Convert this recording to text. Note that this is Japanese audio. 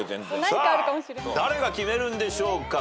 さあ誰が決めるんでしょうか。